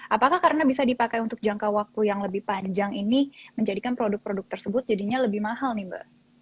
apakah karena bisa dipakai untuk jangka waktu yang lebih panjang ini menjadikan produk produk tersebut jadinya lebih mahal nih mbak